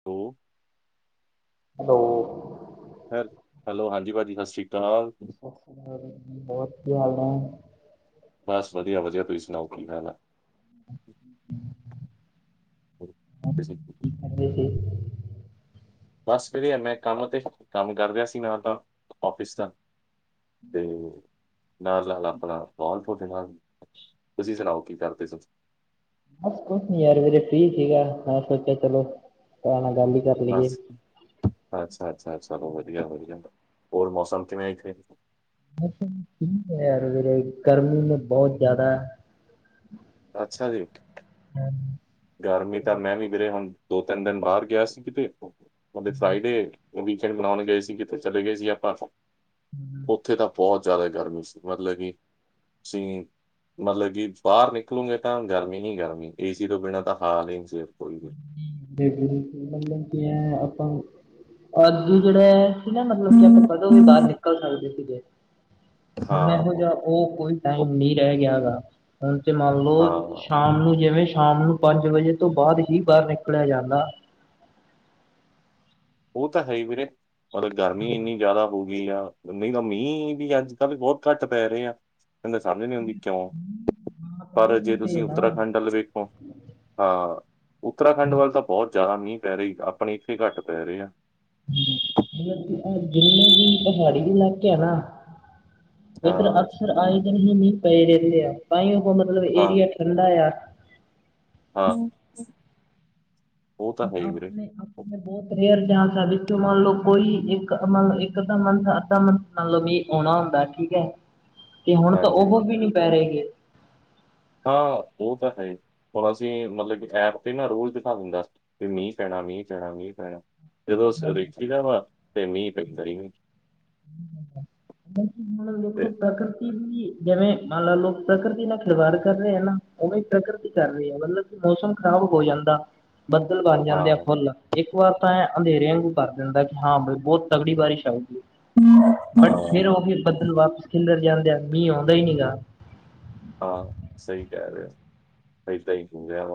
[unintelligible] Hello ਹੈ hello ਹਾਂਜੀ ਭਾਅ ਜੀ ਸਤਿ ਸ਼੍ਰੀ ਅਕਾਲ। ਸਤਿ ਹੋਰ ਕੀ ਹਾਲ ਐ ਬਸ ਵਧੀਆ ਵਧੀਆ ਤੁਸੀਂ ਸੁਣਾਓ ਕੀ [unintelligible] ਹੈ। [unintelligible] ਹੂੰ ਹੂੰ ਬਸ [unintelligible] ਮੈਂ ਕੰਮ ਤੇ, ਕੰਮ ਕਰ ਰਿਹਾ ਸੀ ਮੈਂ ਤਾਂ ਓਫਿਸ ਦਾ। ਤੇ, ਨਾਲ ਨਾਲ ਆਪਣਾ ਕਾਲ ਤੁਹਾਡੇ ਨਾਲ। ਤੁਸੀਂ ਸੁਣਾਓ ਕੀ ਕਰਦੇ ਤੁ। ਬਸ ਕੁਛ ਨੀ ਯਾਰ ਮੇਰੇ ਫੀ ਸੀਗਾ ਮੈਂ ਸੋਚਿਆ ਚਲੋ, ਤੁ ਨਾਲ ਗੱਲ ਹੀ ਕਰ ਲਈਏ ਅੱਛਾ ਅੱਛਾ ਚਾ ਉਹ ਵਧੀਆ ਹੋ ਜਾਂਦਾ, ਹੋਰ ਮੌਸਮ ਕਿਵੇਂ ਓਥੇ। ਮੌਸਮ ਠੀਕ ਹੈ ਯਾਰ ਵੀੇਰੇ, ਗਰਮੀ ਮ ਬਹੁਤ ਜ਼ਿਆਦਾ। ਅੱਛਾ ਜੀ। ਹੈ। ਗਰਮੀ ਤਾਂ ਮੈਂ ਵੀ ਮੇਰੇ ਹੁਣ ਦੋ ਤਿੰਨ ਦਿਨ ਬਾਹਰ ਗਿਆ ਸੀ ਕਿਤੇ ਮਤਦੇ ਫਰਾਈਡੇ ਉਹ ਵੀ ਫਿਰ ਬਣਾਉਣ ਗਏ ਸੀ ਕਿਥੇ ਚਲੇ ਗਏ ਸੀ ਆਪਾਂ ਉੱਥੇ ਤਾਂ ਬਹੁਤ ਜ਼ਿਆਦਾ ਗਰਮੀਰਤੱ ਸੀਮਤ ਲੱਗੀ। ਤੁਸੀਂ ਮਤਲਬ ਕਿ ਬਾਹਰ ਨਿਕਲੋਗੇ ਤਾਂ ਗਰਮੀ ਨੀ ਗਰਮੀ ਏਸੀ ਤੋਂ ਬਿਨਾਂ [unintelligible] ਬਿਲਕੁਲ ਬਿਲਕੁਲ ਮਤਲਬ ਕੀ ਹੈ ਆਪਾਂ, ਅੱਜ ਜਿਹੜਾ ਹੈ। ਨਾ ਮਤਲਬ ਕਿ ਆਪਾਂ ਕਦੋਂ ਵੀ ਬਾਹਰ ਨਿਕਲ ਸਕਦੇ ਸੀਗੇ, ਹੁਣ ਹਾਂ, ਇਹੋ ਜਿਹਾ ਉਹ ਕੋਈ ਟਾਈਮ ਨਹੀਂ ਰਹਿ ਗਿਆ ਗਾ, ਹੁਣ ਤੇ ਮੰਨ ਲਓ ਹਾਂ ਸ਼ਾਮ ਨੂੰ ਜਿਵੇਂ ਸ਼ਾਮ ਨੂੰ ਪੰਜ ਵਜੇ ਤੋਂ ਬਾਅਦ ਹੀ ਬਾਹਰ ਨਿਕਲਿਆ ਜਾਂਦਾ। ਓ ਤਾਂ ਹੈ ਈ ਵੀਰੇ। ਮਤਲਬ ਗਰਮੀ ਇੰਨੀ ਜ਼ਿਆਦਾ ਹੋ ਗਈ ਆ, ਨਹੀਂ ਤਾਂ ਮੀਂਹ ਵੀ ਅੱਜ ਕੱਲ੍ਹ ਬਹੁਤ ਘੱਟ ਪੈ ਰਹੇ ਆ। ਮੈਨੂੰ ਸਮਝ ਨੀ ਆਉਂਦੀ ਕਿਉ। ਹਾਂ, ਤਾਂ ਹੀ ਪਰ ਜੇ ਨਹੀਂ ਤੇ ਤੁਸੀਂ ਨਾ ਉੱਤਰਾਖੰਡ ਵੱਲ ਵੇਖੋ ਹਾਂ ਉੱਤਰਾਖੰਡ ਵੱਲ ਤਾਂ ਬਹੁਤ ਜ਼ਿਆਦਾ ਮੀਂਹ ਪੈ ਰਹੀ ਆਪਣੇ ਇੱਥੇ ਘੱਟ ਪੈ ਰਹੇ ਆ। [inaudible] ਜਿੰਨੇ ਵੀ ਪਹਾੜੀ ਇਲਾਕੇ ਆ ਨਾ ਇੱਧਰ ਹਾਂ, ਅਕਸਰ ਆਏ ਦਿ ਹੀ ਮੀਂਹ ਪਏ ਰਹਿੰਦੇ ਆ ਤਾਂਈ ਉਹ ਮਤਲਬ ਹਾਂ, ਏਰੀਆ ਠੰਡਾ ਆ। ਹਾਂ। ਉਹ ਤਾਂ ਹੈ ਹੀ ਵੀਰੇ ਆਪਣੇ ਆਪ ਬਹੁਤ ਰੇਅਰ ਜਾਂ ਵਿੱਚੋਂ ਮੰਨ ਲਓ ਕੋਈ ਇੱਕ- ਇੱਕ ਅੱਧਾ ਤਾਂ ਮੰਨ ਜਾਂ ਅੱਧਾ ਮੰਨ ਮੰਨ ਲੋ ਮੀਂਹ ਆਉਣਾ ਹੁੰਦਾ ਠੀਕ ਹੈ ਤੇ ਹੁਣ ਤਾਂ ਹਾਂਜੀ। ਉਹ ਵੀ ਨੀ ਪੈ ਰਹੇ ਗੇ। ਹਾਂ ਉਹ ਤਾਂ ਹੈ ਈ। ਹੁਣ ਅਸੀਂ ਮਤਲਬ ਕਿ ਐਪ ਤੇ ਨਾ ਰੋਜ਼ ਦਿਖਾ ਦਿੰਦਾ ਵੀ ਮੀਂਹ ਪੈਣਾ- ਮੀਂਹ ਪੈਣਾ- ਮੀਂਹ ਪੈਣਾ। ਜਦੋਂ ਅਸੀ ਦੇਖੀ ਵਾ ਤੇ ਮੀਂਹ ਪੈਂਦਾ ਨਹੀ [inaudible] ਦੇਖੋ ਪ੍ਰਕਿਰਤੀ ਦੀ ਜਿਵੇਂ ਮੰਨ ਲ ਲੋਕ ਪ੍ਰਕਿਰਤੀ ਨਾਲ ਖਿਲਵਾੜ ਕਰ ਰਹੇ ਹੈ ਨਾ। ਉਵੇਂ ਪ੍ਰਕਰਤੀ ਕਰ ਰਹੀ ਆ ਮਤਲਬ ਕਿ ਮੌਸਮ ਖ਼ਰਾਬ ਹੋ ਜਾਂਦਾ ਬੱਦਲ ਬਣ ਹਾਂ ਜਾਂਦੇ ਆ ਫੁੱਲ ਇੱਕ ਵਾਰ ਤਾਂ ਐ ਅੰਧੇਰੇ ਅੰਗੂ ਕਰ ਦਿੰਦਾ ਕਿ ਹਾਂ ਬ ਬਹੁਤ ਤਗੜੀ ਬਾਰਿਸ਼ ਆਊਗੀ। ਹੂੰ ਬਟ ਫੇਰ ਉਹ ਵੀ ਬੱਦਲ ਵਾਪਿਸ ਖਿਲਰ ਜਾਂਦੇ ਆ ਮੀਂਹ ਆਉਂਦਾ ਹੀ ਨੀ ਗਾ। ਹਾਂ ਸਹੀ ਕਹਿ ਰਹੇ ਈ ਤਈ ਕਿ ਜਾਵ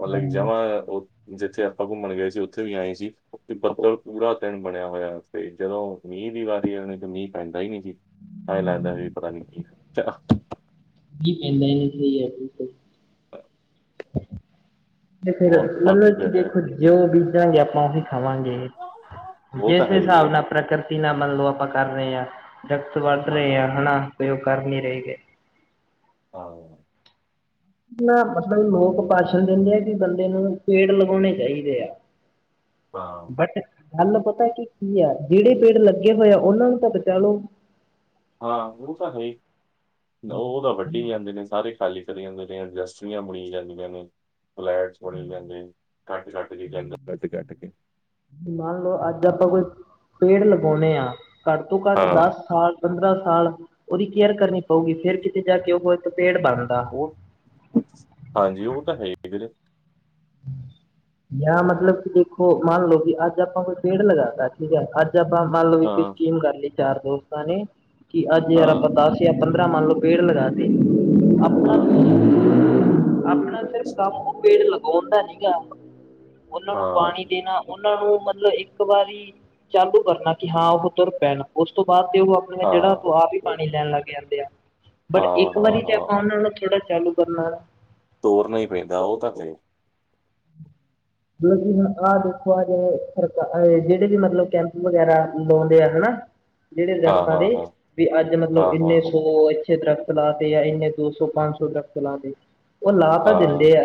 ਮਤਲਬ ਜਾਵਾ ਹਾਂਜੀ ਉਹ ਜਿੱਥੇ ਆਪਾਂ ਘੁੰਮਣ ਗਏ ਸੀ ਉੱਥੇ ਵੀ ਐਂਏਂ ਸੀ ਉਥੇ ਬਦਲ ਪੂਰਾ ਦਿਨ ਬਣਿਆ ਹੋਇਆ। ਤੇ ਜਦੋਂ ਮੀਂਹ ਦੀ ਵਾਰੀ ਆਣੀ ਤੇ ਮੀਂਹ ਪੈਂਦਾ ਹੀ ਨੀ ਜੀ। ਐ ਲੱਗਦਾ ਵੀ ਪਤਾ ਨੀ ਕੀ ਚਲੋ। ਕੀ ਕਹਿੰਦੇ ਨੇ [inaudible] ਤੇ ਫੇਰ ਉਹ ਬਾਕੀ ਮਤਲਬ ਕਿ ਫਿਰ ਦੇਖੋ ਜੋ ਬੀਜਾਂਗੇ ਆਪਾਂ ਉਹੀ ਖਾਵਾਂਗੇ। ਉਹ ਤਾਂ ਜਿਸ ਹੈ ਹੀ ਹਿਸਾਬ ਵੀਰੇ ਨਾਲ ਪ੍ਰਕਿਰਤੀ ਨਾਲ ਮੰਨ ਲੋ ਆਪਾਂ ਕਰ ਰਹੇ ਆ ਦਰੱਖਤ ਵੱਢ ਰਹੇ ਹਾਂਜੀ ਆ ਹਨਾ ਜੋ ਕਰ ਨ੍ਹੀਂ ਰਹੇ ਗੇ। ਹਾਂ। ਨਾ ਮਤਲਬ ਲੋਕ ਭਾਸ਼ਣ ਦਿੰਦੇ ਆ ਕਿ ਬੰਦੇ ਨੂੰ ਪੇੜ ਲਗਾਉਣੇ ਚਾਹੀਦੇ ਆ। ਹਾਂ ਗੱਲ ਪਤਾ ਕੀ- ਕੀ ਆ ਜਿਹੜੇ ਪੇੜ ਲੱਗੇ ਹੋਏ ਆ ਉਹਨਾਂ ਨੂੰ ਤਾਂ ਬਚਾ ਲੋ। ਹਾਂ ਉਹ ਤਾਂ ਹੈ ਹੀ ਉਹ ਤਾਂ ਵੱਢੀ ਜਾਂਦੇ ਨੇ ਸਾਰੇ ਖਾਲੀ ਕਰੀ ਜਾਂਦੇ ਨੇ ਇੰਡਸਟਰੀਆ ਬਣੀ ਜਾਂਦੀਆਂ ਨੇ। ਫਲੈਟਸ ਬਣੀ ਜਾਂਦੇ ਕੱਟ- ਕੱਟ ਕੇ ਜੰਗਲ ਕੱਟ -ਕੱਟ ਕੇ ਮੰਨ ਲਓ ਅੱਜ ਆਪਾਂ ਕੋਈ ਪੇੜ ਲਗਾਉਂਣੇ ਆ ਘੱਟ ਤੋਂ ਘੱਟ ਹਾਂ ਦਸ ਸਾਲ ਪੰਦਰਾਂ ਸਾਲ ਉਹਦੀ ਕੇਅਰ ਕਰਨੀ ਪਊਗੀ ਫੇਰ ਕਿਤੇ ਜਾ ਕੇ ਉਹ ਇੱਕ ਪੇੜ ਬਣਦਾ। ਹਾਂਜੀ ਉਹ ਤਾਂ ਹੈ ਹੀ ਵੀਰੇ ਜਾਂ ਮਤਲਬ ਕਿ ਦੇਖੋ ਮੰਨ ਲਓ ਕਿ ਅੱਜ ਆਪਾਂ ਕੋਈ ਪੇੜ ਲਗਾ ਤਾ ਠੀਕ ਹੈ ਅੱਜ ਅੱਜ ਆਪਾਂ ਮੰਨ ਲਓ ਇੱਕ ਹਾਂ ਸਕੀਮ ਕਰ ਲਈ ਚਾਰ ਦੋਸਤਾਂ ਨੇ ਕਿ ਅੱਜ ਯਾਰ ਆਪਾਂ ਹਾਂ ਦੱਸ ਪੰਦਰਾਂ ਮੰਨ ਲਓ ਪੇੜ ਲਗਾਤੇ ਹਾਂ ਆਪਣਾ- ਹਾਂ ਆਪਣਾ ਸਿਰਫ ਕੰਮ ਉਹ ਪੇੜ ਲਗਾਉਣ ਦਾ ਨੀਂਗਾ, ਉਹਨਾਂ ਨੂੰ ਹਾਂ ਪਾਣੀ ਦੇਣਾ ਉਹਨਾਂ ਨੂੰ ਮਤਲਬ, ਇੱਕ ਵਾਰੀ ਚਾਲੂ ਕਰਨਾ ਕਿ, ਹਾਂ ਉਹ ਤੁਰ ਪੈਣ ਉਸ ਤੋਂ ਬਾਅਦ ਤੇ, ਉਹ ਜੜਾਂ ਤੋਂ ਹਾਂ ਆਪ ਹੀ ਪਾਣੀ ਲੈਣ ਲੱਗ ਜਾਂਦੇ ਆ, ਬਟ ਇੱਕ ਵਾਰੀ ਹਾਂ ਆਪ ਹਾਂ ਆਪਾਂ ਉਹਨਾਂ ਨੂੰ ਥੋੜਾ ਚਾਲੂ ਕਰਨਾ ਤੋਰਨਾ ਹੀ ਪੈਂਦਾ, ਉਹ ਤਾਂ ਫੇਰ ਮਤਲਬ ਕਿ ਹੁਣ ਆਹ ਦੇਖੋ ਆ ਜਿਹੜੇ- ਜਿਹੜੇ ਵੀ ਮਤਲਬ ਕੈਂਪ ਵਗੈਰਾ ਲਾਉਂਦੇ ਆ ਹਨਾ। ਜਿਹੜੇ ਹਾਂ ਦਰੱਖਤਾਂ ਹਾਂ ਦੇ ਹਾਂ ਵੀ, ਅੱਜ ਮਤਲਬ, ਹਾਂ ਹਾਂ ਇੰਨੇ ਸੌ, ਇੱਥੇ ਦਰੱਖ਼ਤ ਲਾਤੇ ਆ, ਇੰਨੇ ਦੋ ਸੌ, ਪੰਜ ਸੌ, ਦਰੱਖ਼ਤ ਲਾਤੇ, ਉਹ ਲਾ ਤਾਂ ਹਾਂ ਦਿੰਦੇ ਆ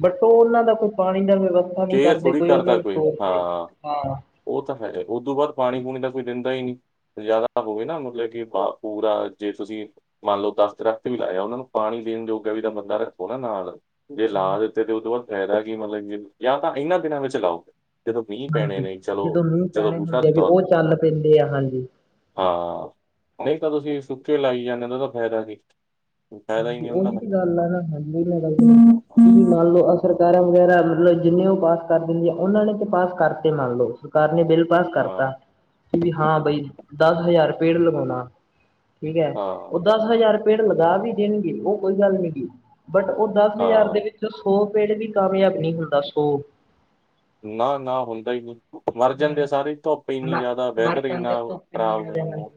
ਬਟ ਉਹ-ਉਹਨਾਂ ਦਾ ਕੋਈ ਪਾਣੀ ਦਾ ਵਵਸਥਾ ਨਹੀਂ ਕੇਅਰ ਕਰਦੇ, ਥੋੜੀ ਕੋਈ ਉਹਨਾਂ ਕਰਦਾ ਨੂੰ ਤੋਰਦੇ, ਹਾਂ ਹਾਂ। ਉਹ ਤਾ ਹੈ, ਉਹ ਦੋਂ ਬਾਅਦ ਪਾਣੀ-ਪੂਣੀ ਤਾਂ ਕੋਈ ਦਿੰਦਾ ਹੀ ਨਹੀਂ। ਜ਼ਿਆਦਾ ਹੋਵੇ ਨਾ ਮਤਲਬ ਕਿ, ਪੂਰਾ ਜੇ ਤੁਸੀਂ ਮੰਨਲੋ ਦੱਸ ਦਰੱਖ਼ਤ ਵੀ ਲਾਏ ਆ, ਉਹਨਾਂ ਨੂੰ ਪਾਣੀ ਦੇਣ ਜੋਗਾ ਵੀ ਤਾਂ ਬੰਦਾ ਰੱਖੋ ਨਾ ਨਾਲ। ਜੇ ਲਾਹ ਦਿੱਤੇ, ਤੇ ਉਹ ਤੋਂ ਬਾਅਦ ਫਾਇਦਾ ਕੀ ਮਤਲਬ ਜਾਂ ਤਾਂ ਇਹਨਾਂ ਦਿਨਾਂ ਵਿੱਚ ਲਾਓ। ਜਦੋਂ ਮੀਂਹ ਪੈਣੇ ਹਾਂਜੀ ਨੇ। ਚਲੋ, ਮੀਂਹ ਜਦੋਂ ਪੈਣੇ ਬੂਟਾ ਹੁੰਦੇ ਆ ਵੀ ਤੋਰ ਉਹ ਚੱਲ ਪੈਂਦੇ ਆ ਹਾਂਜੀ ਹਾਂ, ਨਹੀਂ ਤਾਂ ਤੁਸੀਂ ਸੁੱਕੇ ਲਾਈ ਜਾਂਨੇ ਓ ਉਹਦਾ ਫਾਇਦਾ ਕੀ। ਫਾਇਦਾ ਹੀ ਹਾਂਜੀ, ਨਹੀਂ ਉਹਨਾਂ ਉਹੀ ਦਾ ਤੇ ਗੱਲ ਐ ਨਾ ਹਾਂਜੀ, ਕੀ ਮੰਨ ਲਓ ਅਸੀ ਸਰਕਾਰਾਂ ਵਗੈਰਾ ਮਤਲਬ ਜਿੰਨੇ ਉਹ ਪਾਸ ਕਰ ਦਿੰਦੀਆਂ, ਉਹਨਾਂ ਨੇ ਤੇ ਪਾਸ ਕਰਤੇ ਮੰਨ ਲਓ ਸਰਕਾਰ ਨੇ ਬਿੱਲ ਪਾਸ ਕਰਤਾ, ਹਾਂ ਕਿ ਵੀ ਹਾਂ ਬਈ ਦੱਸ ਹਜ਼ਾਰ ਪੇੜ ਲਗਾਉਣਾ ਠੀਕ ਐ, ਹਾਂ ਉਹ ਦਸ ਹਜ਼ਾਰ ਪੇੜ ਲਗਾ ਵੀ ਦੇਣਗੇ ਉਹ ਕੋਈ ਗੱਲ ਨੀਗੀ, ਬਟ ਉਹ ਦੱਸ ਹਜ਼ਾਰ ਦੇ ਹਾਂ ਵਿੱਚੋ, ਸੌ ਪੇੜ ਵੀ ਕਾਮਯਾਬ ਨੀ ਹੁੰਦਾ, ਸੋ ਨਾ-ਨਾ, ਹੁੰਦਾ ਹੀ ਨਹੀ। ਮਰਜਾਂਦੇ ਆ ਸਾਰੇ, ਧੁੱਪ ਇੰਨੀ ਮ ਜ਼ਿਆਦਾ, ਮਰ ਵੈਦਰ ਇੰਨਾ ਜਾਂਦੇ ਖਰਾਬ ਆ ਹੋ ਉਹਦੇ ਨਾਲ ਜਾਂਦਾ।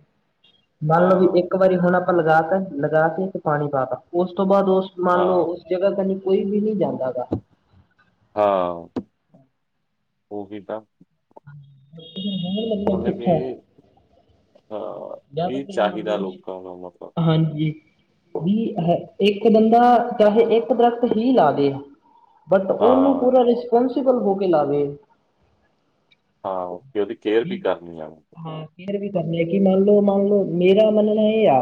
ਮੰਨ ਲਓ ਵੀ ਹਾਂ ਇੱਕ ਵਾਰੀ ਹੁਣ ਆਪਾਂ ਲਗਾਤਾ, ਲਗਾਕੇ ਇੱਕ ਪਾਣੀ ਪਾਤਾ, ਉਸ ਤੋਂ ਬਾਅਦ ਉਸ ਮੰਨ ਲਓ ਜਗ੍ਹਾ ਕੰਨੀ, ਕੋਈ ਵੀ ਨਹੀਂ ਜਾਂਦਾਗਾ। ਹਾਂ, ਉਹੀ ਤਾਂ। [unintelligible] ਭੁਲ ਗਏ, ਹਾਂ। ਜਾਂ ਤਾ ਤੁਸੀਂ ਮੰਨ ਲਓ ਵੀ, ਹਾਂਜੀ। ਵੀ, ਹੈ ਇੱਕ ਬੰਦਾ, ਚਾਹੇ ਇੱਕ ਦਰਖਤ ਹੀ ਲਾਦੇ ਬਟ ਉਹਨੂੰ ਪੂਰਾ, ਰਿਸਪੋਂਸੀਬਲ ਹੋਕੇ ਲਾਵੇ। ਆਹੋ। ਵੀ, ਹਾਂ। ਕੇਅਰ ਵੀ ਕਰਨੀ ਆ, ਕਿ ਮੰਨਲੋ ਮੰਨਲੋ ਮੇਰਾ ਮੰਨਣਾ ਇਹ ਆ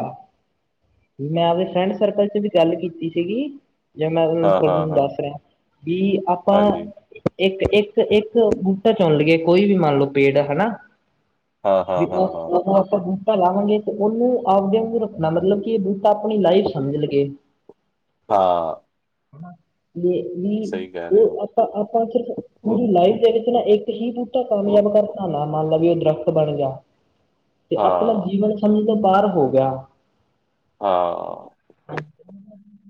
ਮੈਂ, ਆਪਦੇ ਫਰੈਂਡ ਸਰਕੱਲ'ਚ ਵੀ ਗੱਲ ਕੀਤੀ ਸੀਗੀ। ਜੇ, ਮੈਂ ਤੁਹਾਨੂੰ, ਦੱਸ ਰਿਹਾਂ, ਕੀ ਆਪਾਂ ਇੱਕ, ਇੱਕ-ਇੱਕ ਬੂਟਾ ਚੁਣ ਲਈਏ ਕੋਈ ਵੀ, ਮੰਨਲੋ ਪੇੜ, ਹਨਾਂ। ਵੀ, ਉਹ, ਆਪਾ ਲਾਵਾਂਗੇ ਤੇ ਉਹਨੂੰ, ਆਪਦੇ ਵਾਂਗੁ ਰੱਖਣਾ, ਮਤਲਬ ਕਿ ਏ ਬੂਟਾ ਆਪਣੀ ਲਾਈਫ ਸਮਝ ਲੀਏ। ਹਾਂ। ਜੇ ਵੀ, ਉਹ ਆਪਾਂ-ਆਪਾਂ ਸਿਰਫ, ਪੂਰੀ ਲਾਈਫ ਦੇ ਵਿੱ ਚ, ਨਾ ਇੱਕ ਹੀ ਬੂਟਾ ਕਾਮਯਾਬ ਕਰਤਾ ਨਾ, ਮੰਨਲਾ, ਇਹ ਦਰੱਖਤ ਬਣ ਗਿਆ ਤੇ, ਆਪਣਾ ਜੀਵਨ ਸਮਝ ਤੋਂ, ਬਾਹਰ ਹੋਗਿਆ। ਹਾਂ।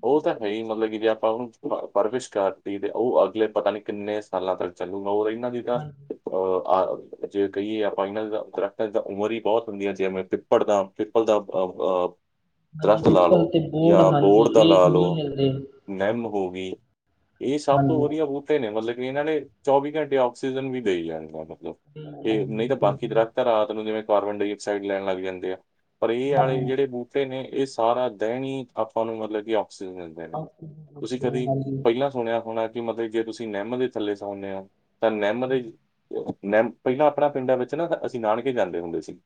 ਉਹ ਤਾਂ ਹੈਹੀ, ਮਤਲਬ ਕਿ, ਜੇ ਆਪਾਂ ਉਹਨੂੰ ਪਰਵਿਸ਼ ਕਰਤੀ, ਤੇ ਉਹ ਅਗਲੇ ਪਤਾ ਨੀ ਕਿੰਨੇ ਸਾਲਾਂ ਤਕ ਚੱਲੂਗਾ। ਹੋਰ ਓਹੀ ਨਾ, ਜਿਦਾਂ ਹਾਂਜੀ ਅ, ਆ ਜੇ ਕਹੀਏ ਆਪਾਂ, ਇਹਨਾਂ ਦਰੱਖਤਾ ਦੀ ਤਾਂ ਉਮਰ, ਹੀ ਬਹੁਤ ਹੁੰਦੀ ਹੈ, ਜਿਵੇਂ ਪੜਦਾ, ਪੀਪਲ ਦਾ ਅਅ ਹਾਂਜੀ ਦਰੱਖ਼ਤ ਲਾ ਪਿੱਪਲ ਲਓ, ਤੇ ਬੋਰਡ ਯਾ ਹਾਂਜੀ ਬੋਡ ਦਾ ਲਾ ਇਹ ਨਹੀਂ ਲਓ। ਮਿਲਦੇ ਨਿੰਮ ਹੋ ਗਈ, ਇਹ ਸਭ ਤੋਂ ਹਾਂਜੀ ਵਧੀਆ ਬੁ ਟੇ ਨੇ, ਮਤਲਬ ਕਿ ਇਹਨਾਂ ਨੇ, ਚੌਵੀ-ਘੰਟੇ ਔਕਸੀਜਨ ਵੀ ਦੇਈ ਜਾਣੀ, ਮਤਲਬ, ਹਾਂਜੀ ਨਈ ਤੇ ਬਾਕੀ ਦਰੱਖਤ ਤਾਂ ਰਾਤ ਨੂੰ, ਜਿਵੇਂ ਕਾਰਬਨ ਡਾਈਆਕਸਾਈਡ ਲੈਣ ਲੱਗ ਜਾਂਦੇ ਆ, ਪਰ ਇਹ ਆਲੇ, ਜਿਹੜੇ ਬੂਟੇ ਤੇ ਨੇ, ਇਹ ਸਾਰਾ ਦਿਨ ਹੀ, ਆਪਾਂ ਨੂੰ ਮਤਲਬ ਕਿ ਔਕਸੀਜਨ ਐ ਤੁਸੀਂ ਹਾਂਜੀ ਕਦੇ ਪਹਿਲਾਂ? ਸੁਣਿਆ ਹੋਣਾ, ਕਿ ਮਤਲਬ ਜੇ ਤੁਸੀਂ, ਨੀਮ ਦੇ ਥੱਲੇ ਸੌਉਂਣੇ ਹੋ ਤਾਂ ਨਿਮ ਦੇ ਓ ਨਿਮ, ਪਹਿਲਾਂ ਆਪਣਾ ਪਿੰਡਾਂ ਵਿੱਚ ਨਾ, ਅਸੀਂ ਨਾਨਕੇ ਜਾਂਦੇ ਹੁੰਦੇ ਸੀ।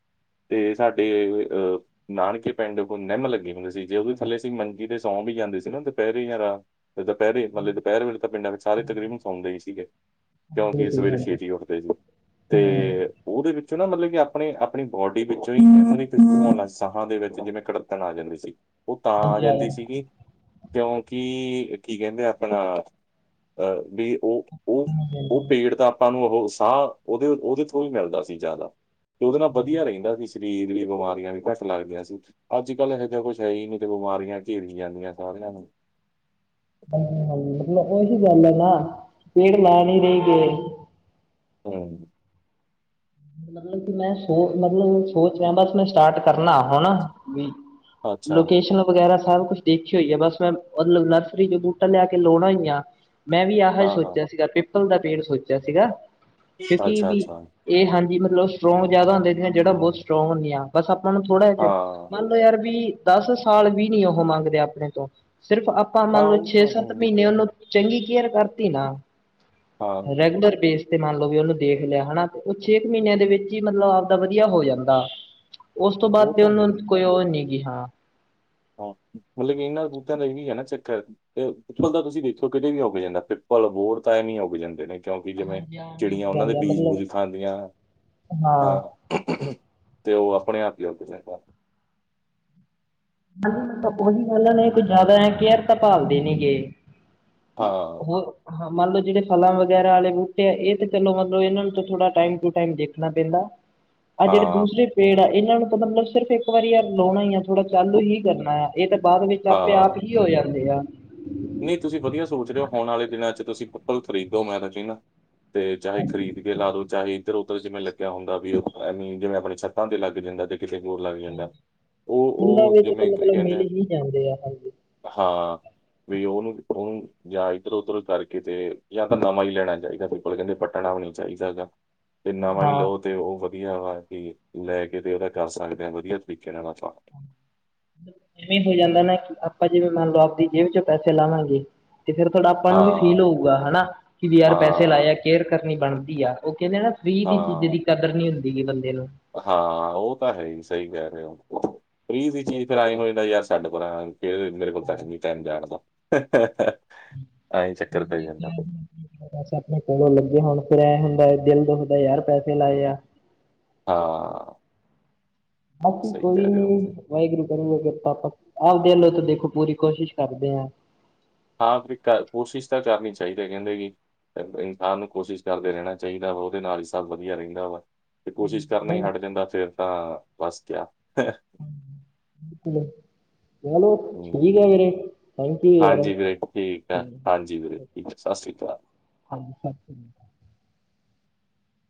ਤੇ ਸਾਡੇ, ਅਹ ਨਾਨਕੇ ਪਿੰਡ ਕੋਲ, ਨਿੰਮ ਲੱਗੇ ਹੁੰਦੀ ਸੀ। ਜੇ ਉਹਦੋਂ ਥੱਲੇ ਅਸੀਂ ਮੰਜੀ ਤੇ ਸੌਂ ਵੀ ਜਾਂਦੇ ਸੀ। ਨਾ ਦੁਪਹਿਰੇ ਰਾ ਦੁਪਹਿਰੇ ਮਤਲਬ ਦੁਪਹਿਰ ਵੇਲੇ ਤਾਂ ਪਿੰਡਾਂ ਵਿੱਚ, ਸਾਰੇ ਤਕਰੀਬਨ ਸੌਂਦੇ ਹੀ ਸੀਗੇ। ਕਿਉਂਕਿ, ਸਵੇਰੇ ਛੇਤੀ ਉੱਠਦੇ ਸੀ। ਤੇ ਹਾਂਜੀ ਉਹਦੇ ਵਿੱਚ, ਨਾ ਮਤਲਬ ਕਿ, ਆਪਣੇ ਆਪਣੀ ਬੋਡੀ ਵਿੱਚੋਂ ਹੀ ਹੋਣਾ ਸਾਹਾਂ, ਦੇ ਵਿੱਚ ਜਿਵੇਂ ਕੜੱਤਣ, ਆ ਜਾਂਦੀ ਸੀ। ਉਹ ਤਾਂ ਆ ਜਾਂਦੀ ਸੀਗੀ ਕਿਉਂਕਿ, ਕੀ ਕਹਿੰਦੇ ਆਪਣਾ, ਵੀ ਉਹ ਉਹ ਉਹ ਹਾਂਜੀ ਪੇੜ ਤਾਂ ਆਪਾਂ ਨੂੰ ਉਹ ਸਾਹ, ਉਹਦੇ ਉਹਦੇ ਤੋਂ ਵੀ ਮਿਲਦਾ ਸੀ, ਜ਼ਿਆਦਾ ਤੇ ਉਹਦੇ ਨਾਲ, ਵਧੀਆ ਰਹਿੰਦਾ ਸੀ, ਸਰੀਰ ਦੀਆਂ ਬਿਮਾਰੀਆਂ ਵੀ, ਘੱਟ ਲੱਗਦੀਆਂ ਸੀ। ਅੱਜ ਕੱਲ, ਇਹ ਤਾਂ ਕੁੱਛ ਹੈ ਹੀ ਨਹੀਂ, ਬਿਮਾਰੀਆਂ ਘੇਰੀਆਂ ਜਾਂਦੀਆਂ, ਸਾਰਿਆ ਨੂੰ ਹਾਂ ਹਾਂ ਮਤਲਬ ਉਹੀ ਗੱਲ ਹੈ ਨਾ ਪੇੜ, ਲਾ ਨਈ ਰਹੇ ਹਾ ਮਤਲਬ ਕਿ ਮੈਂ, ਸੋ ਮਤਲਬ ਸੋਚ ਰਿਹਾ, ਬਸ ਮੈਂ ਸਟਾਟ ਕਰਨਾ, ਹੈਣਾ ਵੀ ਅੱਛਾ ਲੋਕੇਸ਼ਨ, ਵਗੈਰਾ ਸਭ ਕੁਛ ਦੇਖੀ ਹੋਈ ਆ, ਬਸ ਮੈਂ ਮਤਲਬ ਨਰਸਰੀ ਚ ਬੂਟਾ ਲਿਆ ਕੇ, ਲਾਉਣਾ ਈ ਆ। ਮੈਂ ਵੀ ਅਹ ਹਾਂ ਹਾਂ ਸੋਚਿਆ ਸੀਗਾ, ਪਿੱਪਲ ਦਾ ਪੇੜ ਸੋਚਿਆ ਸੀਗਾ, ਕਿਉਂਕਿ, ਅੱਛਾ ਵੀ ਅੱਛਾ ਇਹ ਹਨ ਕਿ ਮਤਲਬ ਉਹ ਸਟਰੋਂਗ ਜ਼ਿਆਦਾ ਹੁੰਦੇ ਸੀ, ਜੜਾਂ ਬਹੁਤ ਸਟਰੋਂਗ ਹੁੰਦੀਆਂ, ਬਸ ਆਪਾਂ ਨੂੰ ਥੋੜਾ ਜਿਹਾ, ਹਾਂ ਮੰਨ ਉਹ- ਲੋ, ਯਾਰ ਵੀ ਦਸ ਸਾਲ ਵੀ ਨੀ ਉਹ ਮੰਗਦੇ, ਆਪਣੇ ਤੋ, ਸਿਰਫ ਆਪਾਂ, ਹਾਂ ਮੰਨ ਲੋ ਉਹ ਛੇ ਤਾਂ ਸੱਤ ਹਾਂ ਮਹੀਨੇ, ਉਹਨੂੰ ਚੰਗੀ, ਕੇਅਰ ਕਰਤੀ ਨਾ, ਹਾਂ ਰੈਗੂਲਰ ਬੇਸ ਤੇ ਮੰਨ ਲਓ ਵੀ, ਉਹਨੂੰ ਦੇਖ ਲਿਆ, ਹੈਨਾ ਉਹ ਛੇ ਕੁ ਮਹੀਨਿਆਂ ਦੇ ਵਿੱਚ ਹੀ, ਮਤਲਬ ਆਪਦਾ ਵਧੀਆ ਹੋ ਜਾਂਦਾ ਉਸ ਤੋਂ ਬਾਅਦ, ਉਹ ਤੇ ਤਾਂ ਹੈ ਉਹਨੂੰ ਕੋਈ ਉਹ ਨੀ ਗੀ, ਹਾਂ ਹਾਂ, ਮਤਲਬ ਕਿ ਇਹਨਾਂ ਦਾ ਬੂਟੇਆਦਾ ਤਾਂ ਦਾ, ਏਹੀ ਹੈ ਨਾ ਚੱਕਰ ਤੇ ਪਿੱਪਲ ਤਾਂ, ਤੁਸੀਂ ਦੇਖੋ ਕਿਤੇ ਵੀ ਉਗ ਜਾਂਦਾ, ਪਿੱਪਲ, ਬੋੜ ਤਾਂ, ਐਵੇ ਹੀ ਉਗ ਜਾਂਦੇ ਨੇ। ਕਿਉਂਕਿ, ਜਿਵੇਂ ਹਾਂਜੀ ਐਵੇਂ ਹੋ ਚਿੜੀਆਂ ਉਹਨਾਂ ਦੇ ਜਾਂਦਾ ਬੀਜ ਮਤਲਬ ਬੂਜ ਖਾਂਦੀਆਂ ਹਾਂ ਅਹ ਤੇ ਔ ਅਪਣੇ ਆਪ ਈ ਉਗਦੇ, ਬਸ ਤੇ ਓਹੀ ਗਲ, ਏਨਾ ਦੀ ਕੁਝ ਜਾਦਾ ਐ, ਕੈਅਰ ਤਾਂ ਭਾਲਦੀ ਨੀ ਗੀ ਹਾਂ ਹੋਰ ਹਾਂ, ਮਨ ਲੋ ਜਿਨੇ ਫਲਾਂ ਵਗੈਰਾ ਆਲੇ ਬੂਟੇ ਐ, ਏ ਤੇ ਚਲੋ ਮਤਲਬ, ਏਨਾਂ ਨੂ ਥੋੜਾ ਟਾਈਮ ਟੂ ਟਾਈਮ ਦੇਖਣਾ ਪੈਂਦਾ [inaudible] ਆ ਜੇੜੇ ਦੂਸਰੇ ਪੇੜ ਐ, ਏਨਾਂ ਨੂ ਤਾਂ ਮਤਲਬ ਸਿਰਫ਼ ਇੱਕ ਵਾਰੀ ਆ ਲਾਉਣਾ ਈ ਆ, ਥੋੜਾ ਚਾਲੂ ਹੀ ਕਰਨਾ ਆ ਏ ਤਾਂ ਬਾਦ ਵਿੱਚ ਆਪੇ ਆਪ ਹੀ ਹੋ ਜਾਂਦੇ ਆ। ਨਹੀ ਤੂਸੀ ਵਧੀਆ ਸੋਚ ਰੇ ਓ, ਔਣ ਆਲੇ ਦਿਨਾਂ ਚ ਤੂਸੀ ਪੀਪਲ ਖਰੀਦੋ ਮੈਂ ਤਾਂ ਕੈਨਾ ਤੇ, ਚਾਹੇ ਖਰੀਦ ਕੇ ਲਾ ਦੋ, ਚਾਹੇ ਫੇਰ ਓਧਰ ਜਿਵੇਂ ਲਗਿਆ ਹੁੰਦਾ ਵੀ, ਐਵੈਂ ਜਿਵੇਂ ਅਪਣੀ ਛਤਾਂ ਤੇ ਲਗ ਜਾਂਦਾ ਜੇ ਕਿਤੇ ਹੋਰ ਲਗ ਜਾਂਦਾ, ਔ, ਇਹਨਾਂ ਔ ਵਿੱਚ ਤੇ ਜਿਵੇਂ ਮਤਲਬ ਕੈਨੇ ਮਿਲ ਆ ਹੀ ਜਾਂਦੇ ਆ ਹਾਂਜੀ ਹਾਂ, ਵੀ ਔ ਨੂ, ਔ ਨੂੰ ਯਾ ਇਧਰੋ ਉਧਰੋ ਕਰਕੇ ਤੇ, ਯਾ ਤਾਂ ਨਵਾਂ ਈ ਲੈਣਾ ਚਾਈਦਾ ਪੀਪਲ ਕੈਂਦੇ ਪੱਟਣਾ ਵੀ ਨੀ ਚਾਈਦਾ ਹੈਗਾ ਤੇ ਨਵਾਂ ਈ ਹਾਂ ਲੋ ਤੇ ਉਹ ਵਧੀਆ ਵਾ ਹੀ, ਲੈ ਕੇ ਤੇ ਓਦਾ ਕਾਰ ਸਕਦੇ ਆਾਂ ਵਧੀਆ ਤਰੀਕੇ ਨਾਲ ਅਪਾਂ ਇਵੇਂ ਹੋ ਜਾਂਦਾ ਨਾ, ਕਿ ਆਪਾਂ ਜਿਵੇਂ ਮਨ ਲੋ ਆਪਦੀ ਜੇਬ ਚੋਂ ਪੈਸੇ ਲਾਵਾਂਗੇ ਤੇ ਫੇਰ ਥੋੜਾ ਆਪਾਂ ਨੂ ਵੀ ਹਾਂ ਫੀਲ ਹੋਊਗਾ ਹੈਨਾ ਕਿ ਵੀ ਯਾਰ ਪੈਸੇ ਹਾਂ ਲਾਏ ਆ, ਕੇਅਰ ਕਰਨੀ ਬਣਦੀ ਆ, ਓ ਕੈਂਦੇ ਨਾ ਫ੍ਰੀ ਦੀ ਚੀਜ ਦੀ ਹਾਂ ਕਦਰ ਨੀ ਹੁੰਦੀ ਗੀ, ਬੰਦੇ ਨੂ ਹਾਂ, ਉਹ ਤਾਂ ਹੈ ਈ ਸਈ ਕਹਿ ਰੇ ਔ, ਫ੍ਰੀ ਦੀ ਚੀਜ ਫੇਰ ਐਂਈ ਹੋ ਜਾਂਦਾ ਯਾਰ, ਛੱਡ ਪਰਾਂ [unintelligible] ਐਂ [unintelligible] ਚੱਕਰ ਪੈ ਜਾਂਦਾ ਫਿਰ। ਪੈਸੇ ਅਪਣੇ ਕੋਲੋਂ ਲਗੇ ਹੋੁਣ, ਫੇਰ ਐਂ ਹੁੰਦੈ ਦਿਲ ਦੁਖਦਾ, ਯਾਰ ਪੈਸੇ ਲਾਏ ਆ ਆਂ ਆਂ ਆਕੀ ਕੋਈ ਨੀ ਹੋ ਵਾਹਿਗੁਰੂ ਕਰਨਗੇ ਕਿਰਪਾ, ਆਪਦੇ ਅਲੋ ਤੇ ਦੇਖੋ ਪੂਰੀ ਕੋਸ਼ਿਸ਼ ਕਰਦੇ ਆਂ ਆਪ ਵੀ ਕਰ, ਕੋਸ਼ਿਸ਼ ਤਾਂ ਕਾਰਨੀ ਚਾਈਦੀ ਕਹਿੰਦੇ ਜੀ ਇਨਸਾਨ ਨੂ ਕੋਸ਼ਿਸ਼ ਕਰਦੇ ਰਹਿਣਾ ਚਾਈਦਾ ਓਦੇ ਨਾਲ ਈ ਸਬ ਵਧੀਆ ਰਹਿੰਦਾ ਵਾ। ਤੇ ਕੋਸ਼ਿਸ਼ ਕਰਨਾ ਈ ਹੁਣ ਹਟ ਜਾਂਦਾ ਫੇਰ ਤਾਂ, ਬਸ ਕਿਆ। [unintelligible] ਹਮ, [unintelligible] ਠੀਕੇ ਸਸ਼੍ਰੀ ਕਾਲ। [unintelligible]